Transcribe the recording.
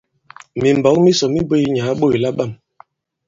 Mìmbɔ̌k misò mi bwě yi nyàà yi ɓôt labâm.